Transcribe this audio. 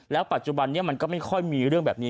ปัจจุบันนี้มันก็ไม่ค่อยมีเรื่องแบบนี้